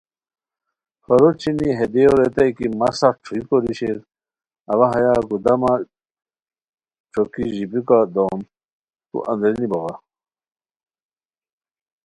ہورو چھینی ہے دیو ریتائے کی مہ سخت ݯھوئی کوری شیر، اوا ہیہ گودامہ ݯوکی ژیبیکا دوم تو اندرینی بوغے